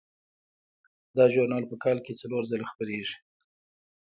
دا ژورنال په کال کې څلور ځله خپریږي.